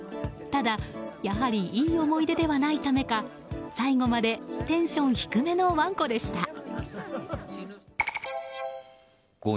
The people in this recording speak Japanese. ただ、やはりいい思い出ではないためか最後までテンション低めのワンコでした。